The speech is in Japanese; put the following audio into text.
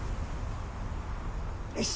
よし！